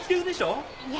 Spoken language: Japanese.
いや